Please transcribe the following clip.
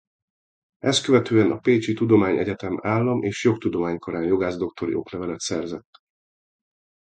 Ezt követően a Pécsi Tudományegyetem Állam- és Jogtudomány Karán jogász-doktori oklevelet szerzett.